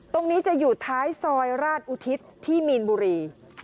ตรงนี้จะอยู่ท้ายซอยราชอุทิศที่มีนบุรี